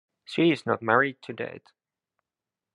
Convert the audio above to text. She is not married to date.